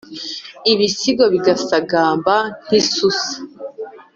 ibisigo bigasagamba nk’isusa